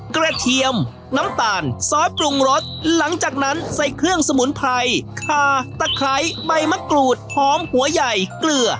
เทียมน้ำตาลซอสปรุงรสหลังจากนั้นใส่เครื่องสมุนไพรคาตะไคร้ใบมะกรูดหอมหัวใหญ่เกลือ